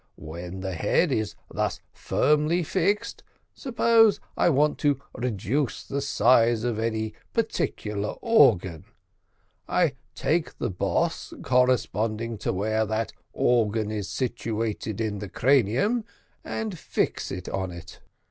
When the head is thus firmly fixed, suppose I want to reduce the size of any particular organ, I take the boss corresponding to where that organ is situated in the cranium, and fix it on it.